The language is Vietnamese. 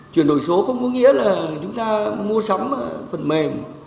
chuyển đổi số không có nghĩa là chúng ta mua sắm phần mềm